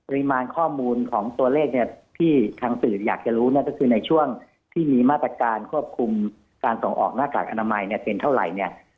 มาข้อมูลของตัวเลขเนี่ยที่ทางสื่ออยากจะรู้เนี่ยก็คือในช่วงที่มีมาตรการควบคุมการส่งออกหน้ากากอนามัยเนี่ยเป็นเท่าไหร่เนี่ย